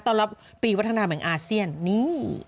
ตอนลับปีวัฒนธรรมแห่งอาเซียนนี้